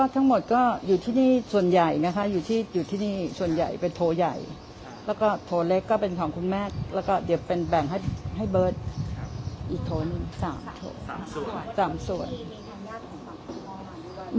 ทั้งหมดอยู่ที่นี่ส่วนใหญ่นะคะส่วนใหญ่เป็นโถใหญ่โถเล็กก็เป็นของคุณแม่แล้วจะแบ่งให้เบิร์ดอีกโถนี่๓ส่วน